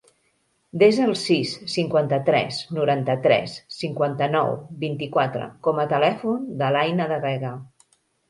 Desa el sis, cinquanta-tres, noranta-tres, cinquanta-nou, vint-i-quatre com a telèfon de l'Aïna De Vega.